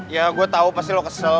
ya gue tau pasti lo kesel